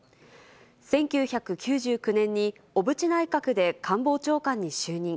１９９９年に小渕内閣で官房長官に就任。